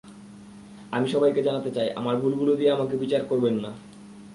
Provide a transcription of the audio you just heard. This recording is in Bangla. আমি সবাইকে জানাতে চাই, আমার ভুলগুলো দিয়ে আমাকে বিচার করবেন না।